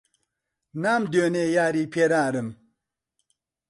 نامدوێنێ یاری پێرارم